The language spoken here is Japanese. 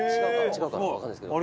違うかな？